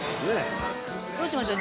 どうしましょう。